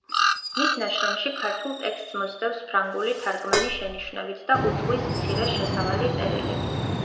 მის ნაშრომში ქართულ ტექსტს მოსდევს ფრანგული თარგმანი შენიშვნებით და უძღვის მცირე შესავალი წერილი.